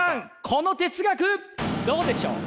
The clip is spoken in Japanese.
この哲学どうでしょう？